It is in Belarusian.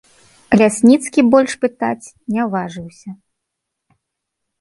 Лясніцкі больш пытаць не важыўся.